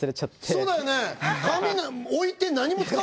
そうだよね。